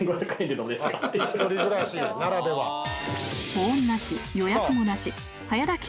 保温なし予約もなし早炊き